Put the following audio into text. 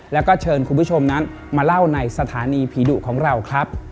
แล้วก็เชิญคุณผู้ชมนั้นมาเล่าในสถานีผีดุของเราครับ